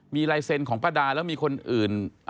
มีลายเซ็นต์ของป้าดาแล้วมีคนอื่น